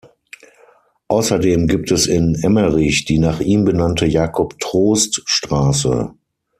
Außerdem gibt es in Emmerich die nach ihm benannte "Jakob-Troost-Straße".